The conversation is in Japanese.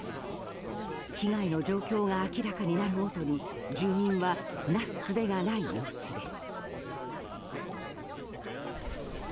被害の状況が明らかになるごとに住民はなすすべがない様子です。